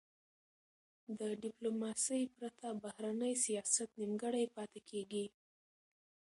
د ډیپلوماسی پرته، بهرنی سیاست نیمګړی پاته کېږي.